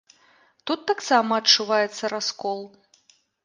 Тут таксама адчуваецца раскол.